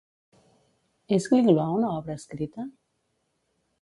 És Gliglois una obra escrita?